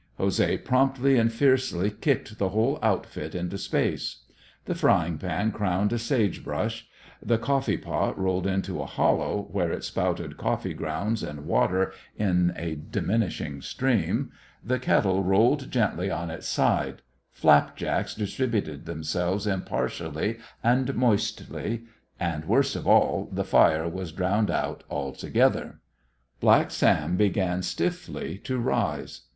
José promptly and fiercely kicked the whole outfit into space. The frying pan crowned a sage brush; the coffee pot rolled into a hollow, where it spouted coffee grounds and water in a diminishing stream; the kettle rolled gently on its side; flap jacks distributed themselves impartially and moistly; and, worst of all, the fire was drowned out altogether. Black Sam began stiffly to arise.